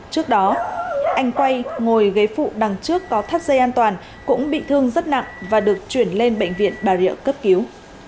trước đó anh quay ngồi ghế phụ đằng trước có thắt dây an toàn cũng bị thương rất nặng và được chuyển lên bệnh viện bà rịa cấp cứu